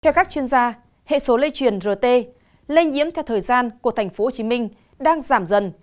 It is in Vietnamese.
theo các chuyên gia hệ số lây truyền rt lây nhiễm theo thời gian của tp hcm đang giảm dần